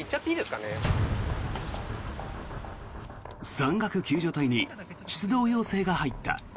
山岳救助隊に出動要請が入った。